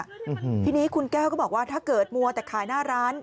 อืมทีนี้คุณแก้วก็บอกว่าถ้าเกิดมัวแต่ขายหน้าร้าน